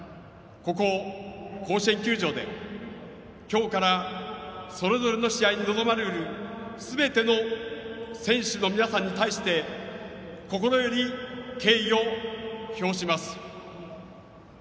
ここ甲子園球場で今日からそれぞれの試合に臨まれるすべての選手の皆さんに対して心より敬意を表します。